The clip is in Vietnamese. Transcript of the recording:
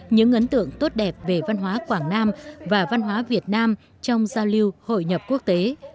những ấn tượng tốt đẹp về văn hóa quảng nam và văn hóa việt nam trong giao lưu hội nhập quốc tế